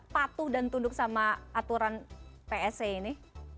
patuh dan tunduk sama aturan pse ini